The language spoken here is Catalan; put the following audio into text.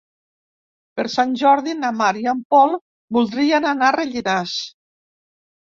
Per Sant Jordi na Mar i en Pol voldrien anar a Rellinars.